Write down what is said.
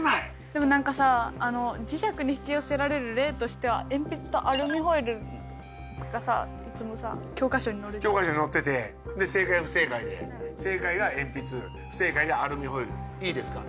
でも何かさ磁石に引き寄せられる例としては鉛筆とアルミホイルがさいつもさ教科書に載るじゃん教科書に載っててで正解不正解で正解が鉛筆不正解がアルミホイルいいですか？